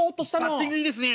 「バッティングいいですね」。